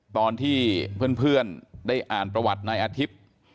ตอนที่เพื่อนได้อ่านประวัตินายอาทิตย์